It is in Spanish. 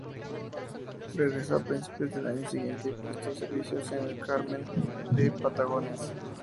Regresó a principios del año siguiente, y prestó servicios en Carmen de Patagones.